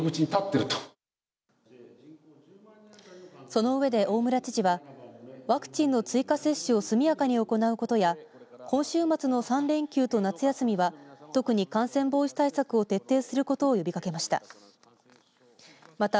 その上で大村知事はワクチンの追加接種を速やかに行うことや今週末の３連休と夏休みは特に感染防止対策を徹底することを呼びかけました。